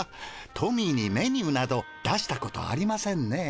トミーにメニューなど出したことありませんね。